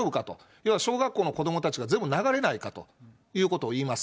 要は小学校の子どもたちが全部流れないかということを言います。